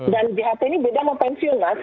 dan jht ini beda sama pensiun mas